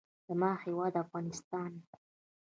زما هېواد افغانستان.